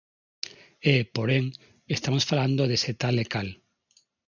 E, porén, estamos falando de se tal e cal.